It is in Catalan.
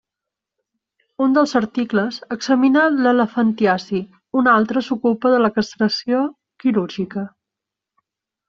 Un dels articles examina l'elefantiasi, un altre s'ocupa de la castració quirúrgica.